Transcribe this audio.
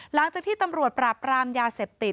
หลังจากที่ตำรวจปราบรามยาเสพติด